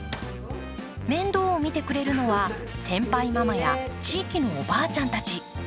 面倒を見てくれるのは、先輩ママや地域のおばあちゃんたち。